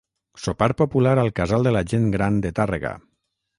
Sopar popular al Casal de la gent gran de Tàrrega.